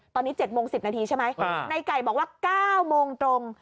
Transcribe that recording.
ตอนนี้๗โมง๑๐นาทีใช่ไหมในไก่บอกว่า๙โมงตรง